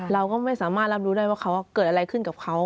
เราก็ไม่สามารถรับรู้ได้ว่าเขาเกิดอะไรขึ้นกับเขา